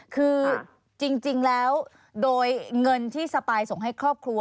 คือจริงแล้วโดยเงินที่สปายส่งให้ครอบครัว